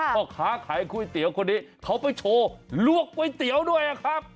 พ่อค้าขายก๋วยเตี๋ยวคนนี้เขาไปโชว์ลวกก๋วยเตี๋ยวด้วยครับ